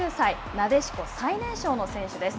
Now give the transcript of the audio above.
なでしこ最年少の選手です。